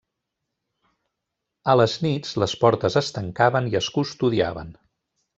A les nits les portes es tancaven i es custodiaven.